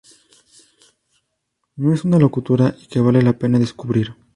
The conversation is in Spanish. No es una locura, y que vale la pena descubrir.